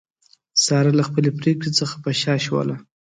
ساره له خپلې پرېکړې څخه په شا شوله.